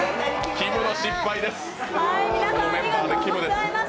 きむの失敗です。